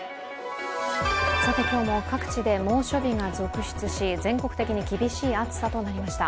今日も各地で猛暑日が続出し、全国的に厳しい暑さとなりました。